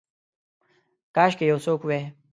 کاشکي یو څوک وی